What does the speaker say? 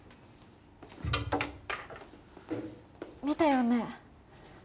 見たよね？